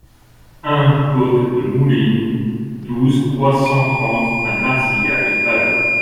un côte de Moulines, douze, trois cent trente à Marcillac-Vallon